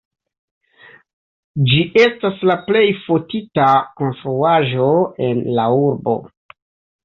Ĝi estas la plej fotita konstruaĵo en la urbo.